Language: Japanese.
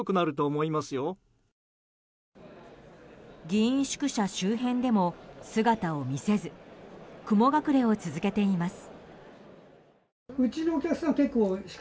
議員宿舎周辺でも姿を見せず雲隠れを続けています。